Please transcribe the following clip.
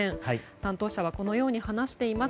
担当者はこのように話しています。